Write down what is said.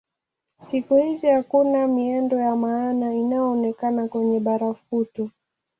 Siku hizi hakuna miendo ya maana inayoonekana kwenye barafuto